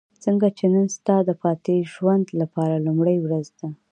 ځکه چې نن ستا د پاتې ژوند لپاره لومړۍ ورځ ده.